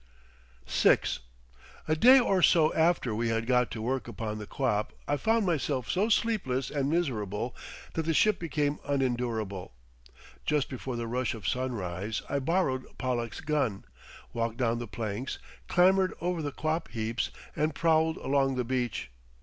VI A day or so after we had got to work upon the quap I found myself so sleepless and miserable that the ship became unendurable. Just before the rush of sunrise I borrowed Pollack's gun, walked down the planks, clambered over the quap heaps and prowled along the beach.